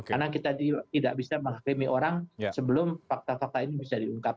karena kita tidak bisa menghakimi orang sebelum fakta fakta ini bisa diungkap